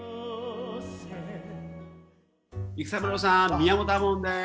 育三郎さん宮本亞門です。